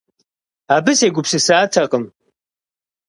Абы сегупсысатэкъым.